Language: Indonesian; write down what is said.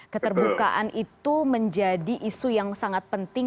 keterbukaan itu menjadi isu yang sangat penting